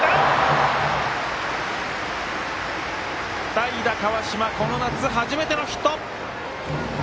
代打、川島この夏初めてのヒット。